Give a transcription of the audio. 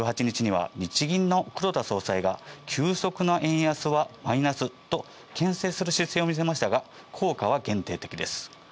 １８日には日銀の黒田総裁が急速な円安はマイナスと牽制する姿勢を見せましたが、効果は限定的です。